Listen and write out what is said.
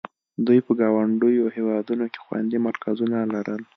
دوی په ګاونډیو هېوادونو کې خوندي مرکزونه لرل.